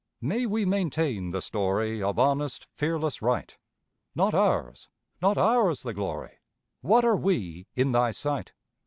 May we maintain the story Of honest, fearless right! Not ours, not ours the Glory! What are we in Thy sight?